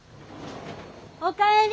おかえり。